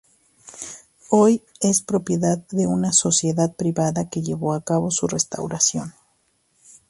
Hoy es propiedad de una sociedad privada que llevó a cabo su restauración.